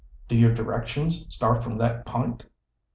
"Do your directions start from that p'int?"